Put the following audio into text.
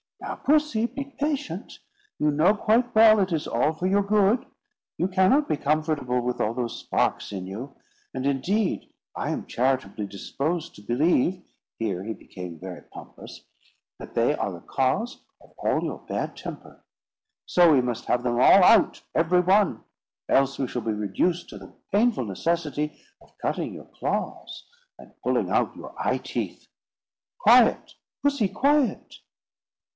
"Now, Pussy, be patient. You know quite well it is all for your good. You cannot be comfortable with all those sparks in you; and, indeed, I am charitably disposed to believe" (here he became very pompous) "that they are the cause of all your bad temper; so we must have them all out, every one; else we shall be reduced to the painful necessity of cutting your claws, and pulling out your eye teeth. Quiet! Pussy, quiet!"